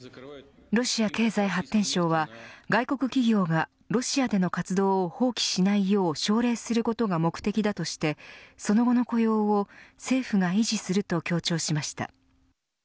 ロシア経済発展省は外国企業がロシアでの活動を放棄しないよう奨励することが目的だとしてその後の雇用を政府が維持すると強調しました。